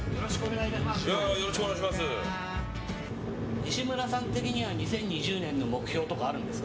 西村さん的には２０２０年の目標とかあるんですか。